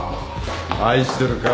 「愛してる」か。